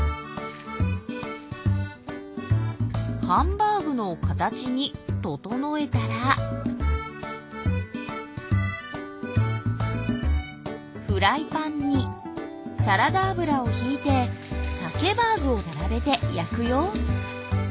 ハンバーグの形に整えたらフライパンにサラダ油をひいてさけばーぐを並べて焼くよ。